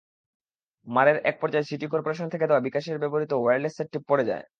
মারের একপর্যায়ে city corporation থেকে দেওয়া বিকাশের ব্যবহৃত ওয়্যারলেস সেটটি পড়ে যায়।